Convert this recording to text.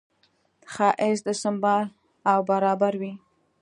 ښایست سمبال او برابر وي.